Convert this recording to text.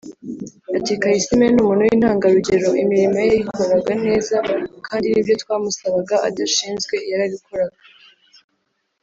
Ati “Kayisime ni umuntu w’intangarugero imirimo ye yayikoraga neza kandi nibyo twamusabaga adashinzwe yarabikoraga